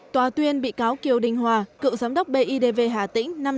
tòa tuyên bị cáo kiều đình hòa cựu giám đốc bidv hà tĩnh năm năm tù